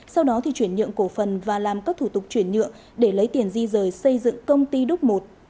sau đó thì chuyển nhượng cổ phần và làm các thủ tục chuyển nhượng để lấy tiền di rời xây dựng công ty đúc một